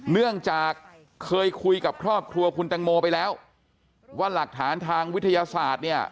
เนื่องจากเคยคุยกับครอบครัวคุณตังโมไปแล้วว่าหลักฐานทางวิทยาศาสตร์เนี่ย